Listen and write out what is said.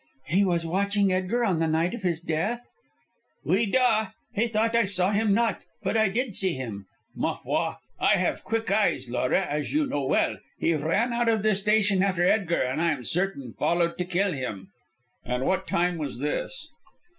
"He was watching Edgar on the night of his death?" "Oui da! He thought I saw him not, but I did see him. Ma foi, I have quick eyes, Laura, as you well know. He ran out of the station after Edgar, and I am certain followed to kill him." "About what time was this?"